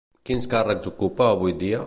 Quins càrrecs ocupa avui dia?